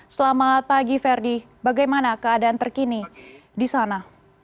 selamat pagi ferdi bagaimana keadaan terkini di sana